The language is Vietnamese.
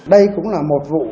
đây cũng là một vụ